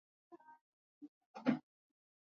Ndugu zangu vita tutaishinda